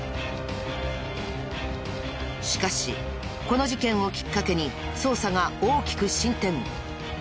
しかしこの事件をきっかけに捜査が大きく進展。